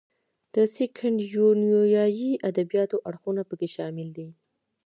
د سکینډینیویايي ادبیاتو اړخونه پکې شامل دي.